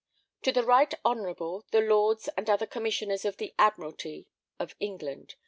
To the right honourable the lords and other Commissioners of the Admiralty of England.